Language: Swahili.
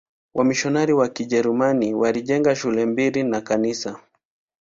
Wamisionari wa Kijerumani walijenga shule mbili na kanisa.